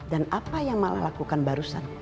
dan apa yang malah lakukan barusan